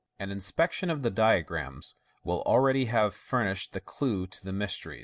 An inspection of the diagrams will already have furnished the clue to the mystery.